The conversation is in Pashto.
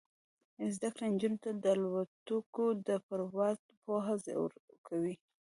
زده کړه نجونو ته د الوتکو د پرواز پوهه ورکوي.